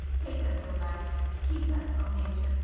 Take us, O Light! Keep us, O Nature!